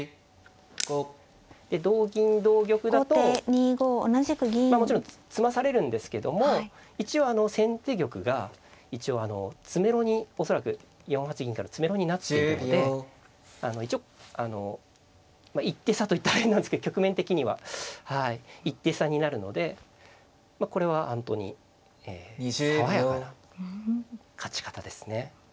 ４５。で同銀同玉だとまあもちろん詰まされるんですけども一応先手玉が詰めろに恐らく４八銀から詰めろになっているので一応一手差と言ったら変なんですけど局面的には一手差になるのでこれは本当にえ爽やかな勝ち方ですね。